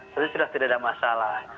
jadi sudah tidak ada masalah